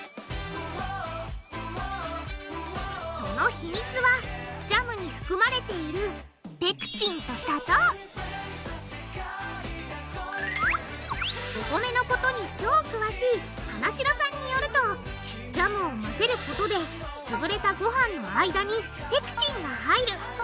その秘密はジャムに含まれているお米のことに超詳しい花城さんによるとジャムを混ぜることでつぶれたごはんの間にペクチンが入る。